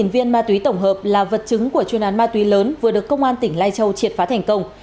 một mươi viên ma túy tổng hợp là vật chứng của chuyên án ma túy lớn vừa được công an tỉnh lai châu triệt phá thành công